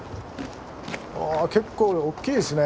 ・あ結構おっきいですね。